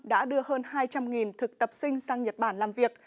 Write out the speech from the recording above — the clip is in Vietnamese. đã đưa hơn hai trăm linh thực tập sinh sang nhật bản làm việc